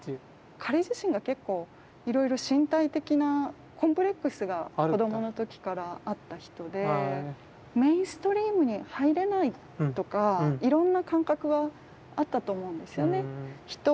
彼自身が結構いろいろ身体的なコンプレックスが子どもの時からあった人でとかいろんな感覚はあったと思うんですよね。